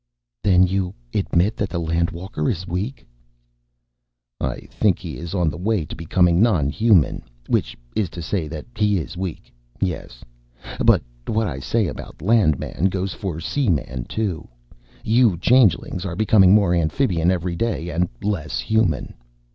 "Then you admit that the Land walker is weak?" "I think he is on the way to becoming non human, which is to say that he is weak, yes. But what I say about Landman goes for Seaman, too. You Changelings are becoming more Amphibian every day and less Human.